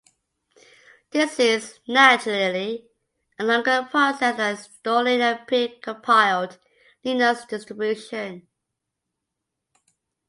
This is, naturally, a longer process than installing a pre-compiled Linux distribution.